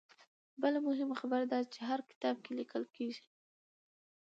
بله مهمه خبره دا ده چې هر کتاب چې ليکل کيږي